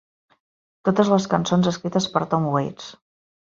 Totes les cançons escrites per Tom Waits.